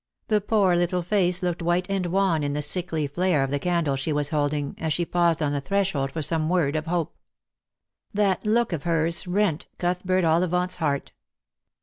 The poor little face looked white and wan in the sickly flare of the candle she was holding, as she paused on the threshold for some word of hope. That look of hers rent Cuthbert Ollivant's heart.